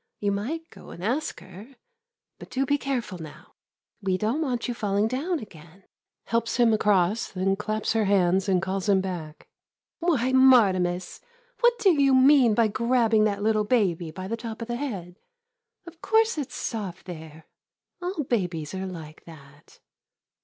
You might go and ask her. But do be careful now. We don't want you falling down again. [Helps him across, then claps her hands and calls him back.] Why, Martimas, what do you mean by grabbing that little baby by the top of the head ? Of course it 's soft there — all babies are like that.